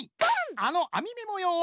あのあみめもようは。